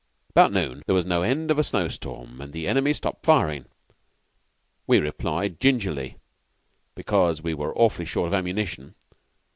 "About noon there was no end of a snow storm, and the enemy stopped firing. We replied gingerly, because we were awfully short of ammunition.